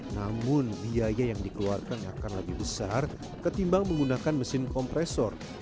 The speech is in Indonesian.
namun biaya yang dikeluarkan akan lebih besar ketimbang menggunakan mesin kompresor